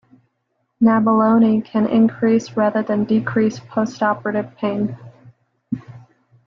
Nabilone can increase-rather than decrease-post-operative pain.